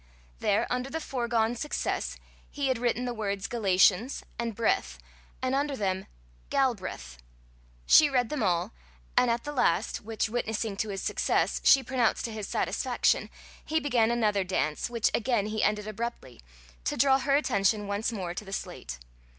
There, under the fore gone success, he had written the words galatians and breath, and under them, galbreath. She read them all, and at the last, which, witnessing to his success, she pronounced to his satisfaction, he began another dance, which again he ended abruptly, to draw her attention once more to the slate.